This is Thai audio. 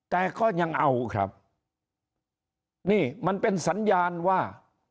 แต่ก็ยังเอาครับนี่มันเป็นสัญญาณว่า